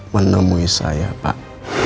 menemui saya pak